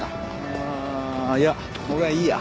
ああいや俺はいいや。